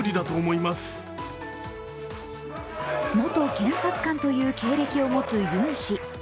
元検察官という経歴を持つユン氏。